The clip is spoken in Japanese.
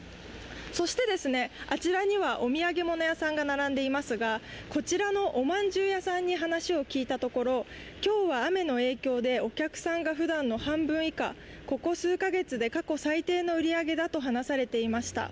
そしてあちらにはお土産屋さんが並んでいますが、こちらのおまんじゅう屋さんに話を聞いたところ今日は雨の影響で、お客さんが普段の半分以下、ここ数か月で過去最低の売り上げだと話されていました。